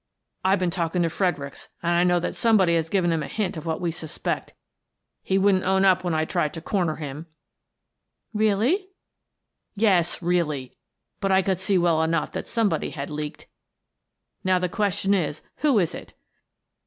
I've been talking to Fredericks and I know that some body has given him a hint of what we suspect He wouldn't own up when I tried to comer him —" "Really?" " Yes, ' really.' But I could see well enough that somebody had leaked. Now, the question is: who is it?"